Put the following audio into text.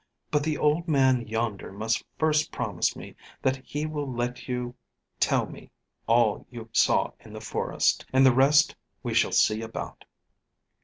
But the old man yonder must first promise me that he will let you tell me all you saw in the forest, and the rest we shall see about."